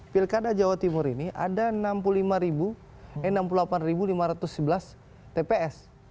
pilkada jawa timur ini ada enam puluh delapan lima ratus sebelas tps